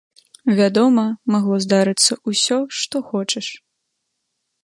Вядома, магло здарыцца ўсё, што хочаш.